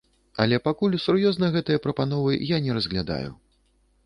Але пакуль сур'ёзна гэтыя прапановы я не разглядаю.